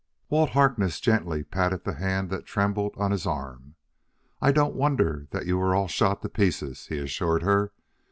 Walt Harkness gently patted the hand that trembled on his arm. "I don't wonder that you are all shot to pieces," he assured her.